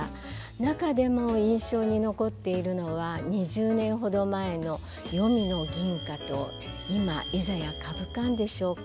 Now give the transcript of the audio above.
中でも印象に残っているのは２０年ほど前の「黄泉の銀花」と「今いざやかぶかん」でしょうか。